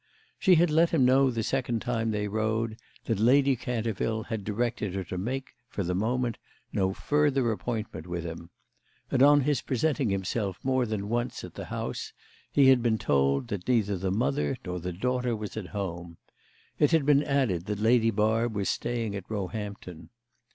She had let him know the second time they rode that Lady Canterville had directed her to make, for the moment, no further appointment with him; and on his presenting himself more than once at the house he had been told that neither the mother nor the daughter was at home: it had been added that Lady Barb was staying at Roehampton.